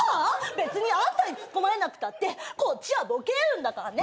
別にあんたにツッコまれなくたってこっちはボケれるんだからね。